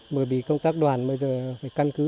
bởi vì công tác đoàn bây giờ phải căn cứ